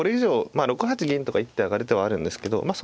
まあ６八銀とか一手上がる手はあるんですけどまあ